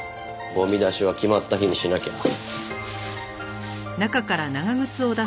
ゴミ出しは決まった日にしなきゃ。